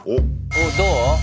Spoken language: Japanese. おっどう？